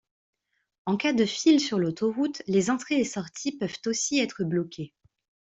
En cas de file sur l'autoroute les entrées et sorties peuvent aussi être bloquées.